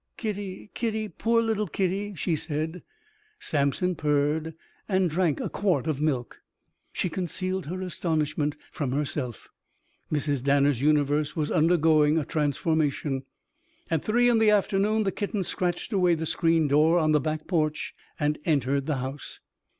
"Kitty, kitty, poor little kitty," she said. Samson purred and drank a quart of milk. She concealed her astonishment from herself. Mrs. Danner's universe was undergoing a transformation. At three in the afternoon the kitten scratched away the screen door on the back porch and entered the house.